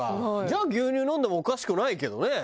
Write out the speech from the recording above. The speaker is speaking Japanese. じゃあ牛乳飲んでもおかしくないけどね。